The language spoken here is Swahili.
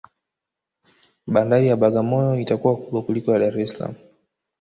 bandari ya bagamoyo itakuwa kubwa kuliko ya dar es salaam